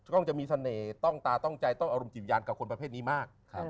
ต้องจะมีเสน่ห์ต้องตาต้องใจต้องอารมณ์จิตวิญญาณกับคนประเภทนี้มาก